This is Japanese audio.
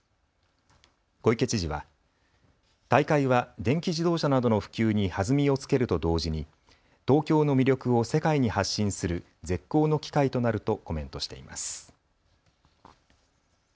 小池知事は大会は電気自動車などの普及に弾みをつけると同時に東京の魅力を世界に発信する絶好の機会となるとコメントしています。